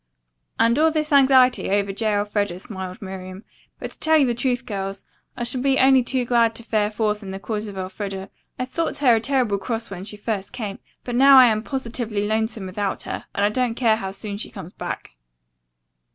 "And all this anxiety over J. Elfreda," smiled Miriam. "But to tell you the truth, girls, I shall be only too glad to fare forth in the cause of Elfreda. I thought her a terrible cross when she first came, but now I am positively lonesome without her, and I don't care how soon she comes back."